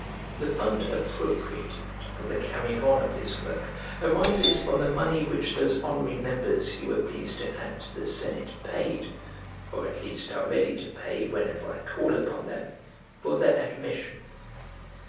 The fund appropriated for the carrying on of this work arises from the money which those honorary members you were pleased to add to the senate paid (or, at least, are ready to pay whenever I call upon them) for their admission.